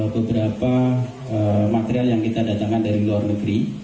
beberapa material yang kita datangkan dari luar negeri